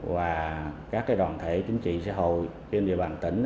và các đoàn thể chính trị xã hội trên địa bàn tỉnh